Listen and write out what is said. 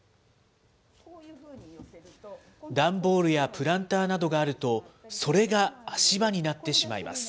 段ボールやプランターなどがあると、それが足場になってしまいます。